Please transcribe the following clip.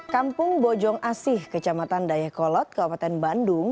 kampung bojong asih kecamatan dayakolot kabupaten bandung